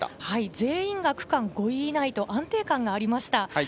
全員が区間５位以内と安定感のある走りでした。